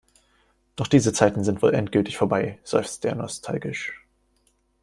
Doch diese Zeiten sind wohl endgültig vorbei, seufzte er nostalgisch.